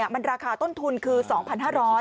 มันราคาต้นทุนคือ๒๕๐๐บาท